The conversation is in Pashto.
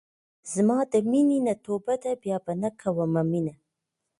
زما د مينې نه توبه ده بيا به نۀ کوم مينه